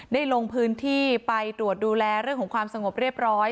ลงพื้นที่ไปตรวจดูแลเรื่องของความสงบเรียบร้อย